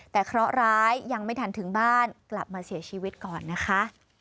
แต่เคราะห์ร้ายยังไม่ทันถึงบ้านกลับมาเสียชีวิตก่อนนะคะ